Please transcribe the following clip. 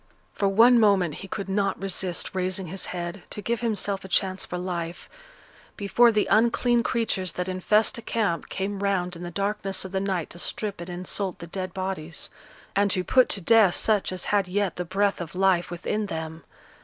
For one moment he could not resist raising his head, to give himself a chance for life; before the unclean creatures that infest a camp came round in the darkness of the night to strip and insult the dead bodies, and to put to death such as had yet the breath of life within them.